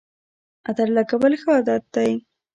عطر لګول ښه عادت دی